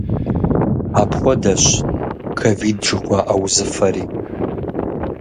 Апхуэдэщ ковид жыхуаӏэ узыфэри.